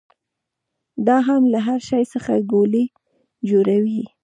دا هم له هر شي څخه ګولۍ جوړوي.